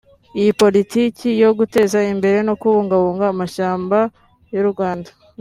Iyi politiki yo guteza imbere no kubungabunga amashyamba y’u Rwanda